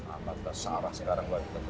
pak abang tassarah sekarang buat tentu ml